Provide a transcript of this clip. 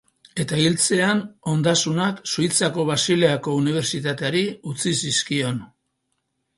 Eta hiltzean, ondasunak Suitzako Basileako Unibertsitateari utzi zizkion.